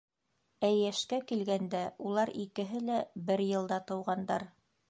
Ә йәшкә килгәндә, улар икеһе лә бер йылда тыуғандар.